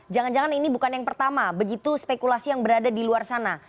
jangan jangan ini bukan yang pertama begitu spekulasi yang berada di luar sana